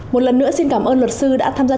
một lần nữa xin cảm ơn luật sư đã tham gia